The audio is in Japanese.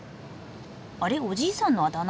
あれおじいさんのあだ名？